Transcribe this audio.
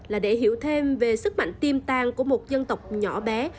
là để hiểu thêm về sức mạnh tiêm tàng của một dân tộc nhỏ bé